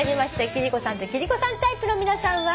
貴理子さんと貴理子さんタイプの皆さんは。